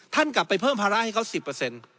ท่านกลับไปเพิ่มภาระให้เขา๑๐